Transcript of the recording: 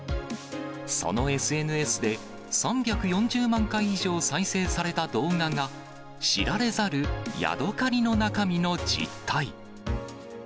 そのＳＮＳで３４０万回以上再生された動画が、知られざるヤドカリの中身の実態。